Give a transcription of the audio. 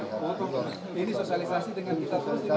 ini sosialisasi dengan kita